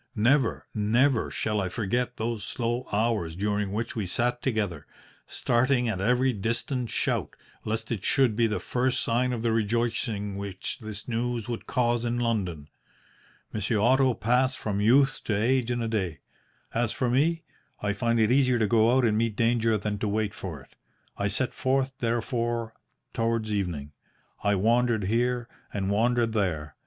Never, never shall I forget those slow hours during which we sat together, starting at every distant shout, lest it should be the first sign of the rejoicing which this news would cause in London. Monsieur Otto passed from youth to age in a day. As for me, I find it easier to go out and meet danger than to wait for it. I set forth, therefore, towards evening. I wandered here, and wandered there.